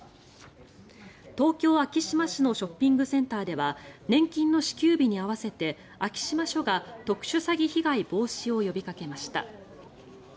東京・昭島市のショッピングセンターでは年金の支給日に合わせて昭島署が特殊詐欺被害防止を呼びかけました。